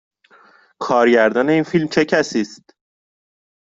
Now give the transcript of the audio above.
کارگردان این فیلم چه کسی است؟